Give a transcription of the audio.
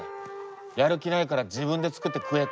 やる気ないから自分で作って食えって。